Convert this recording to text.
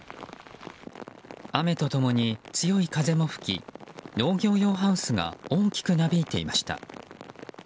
雨と共に強い風も吹き農業用ハウスが大きくなびいていました。